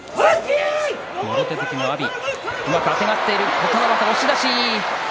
琴ノ若、押し出し。